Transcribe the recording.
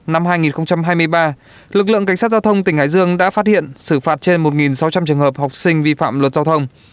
năm hai nghìn hai mươi ba lực lượng cảnh sát giao thông tỉnh hải dương đã phát hiện xử phạt trên một sáu trăm linh trường hợp học sinh vi phạm luật giao thông